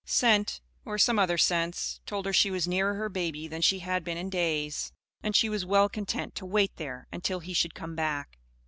Scent or some other sense told her she was nearer her baby than she had been in days. And she was well content to wait there until he should come back.